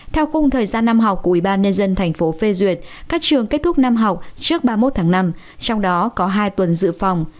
theo khung thời gian năm học của ubnd tp phê duyệt các trường kết thúc năm học trước ba mươi một tháng năm trong đó có hai tuần dự phòng